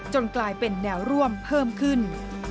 กลายเป็นแนวร่วมเพิ่มขึ้น